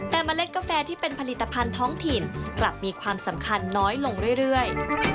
แต่เมล็ดกาแฟที่เป็นผลิตภัณฑ์ท้องถิ่นกลับมีความสำคัญน้อยลงเรื่อย